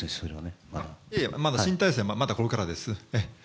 まだ新体制はこれからです。